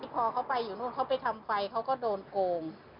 พอเขาไปอยู่นู่นเขาไปทำไฟเขาก็โดนโกง